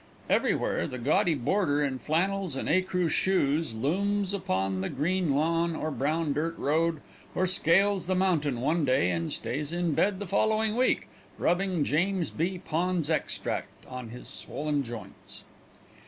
Everywhere, the gaudy boarder in flannels and ecru shoes looms upon the green lawn or the brown dirt road, or scales the mountain one day and stays in bed the following week, rubbing James B. Pond's Extract on his swollen joints.